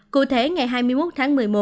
cụ thể ngày hai mươi một tháng một mươi một